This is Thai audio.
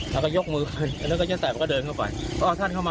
ท่านก็เลยหยอกครับ